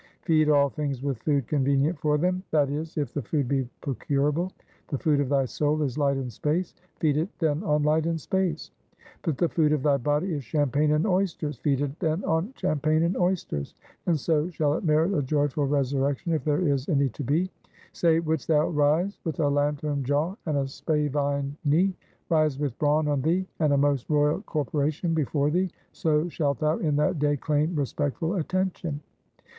Feed all things with food convenient for them, that is, if the food be procurable. The food of thy soul is light and space; feed it then on light and space. But the food of thy body is champagne and oysters; feed it then on champagne and oysters; and so shall it merit a joyful resurrection, if there is any to be. Say, wouldst thou rise with a lantern jaw and a spavined knee? Rise with brawn on thee, and a most royal corporation before thee; so shalt thou in that day claim respectful attention.